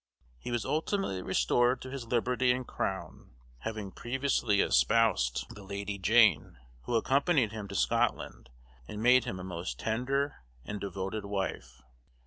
He was ultimately restored to his liberty and crown, having previously espoused the Lady Jane, who accompanied him to Scotland, and made him a most tender and devoted wife.